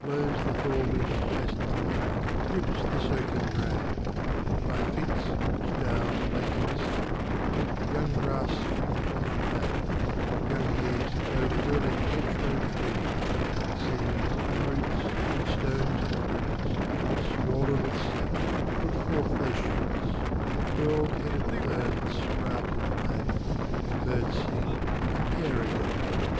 Blows the thaw wind pleasantly, Drips the soaking rain, By fits looks down the waking sun: Young grass springs on the plain; Young leaves clothe early hedgerow trees; Seeds, and roots, and stones of fruits, Swollen with sap, put forth their shoots; Curled headed ferns sprout in the lane; Birds sing and pair again.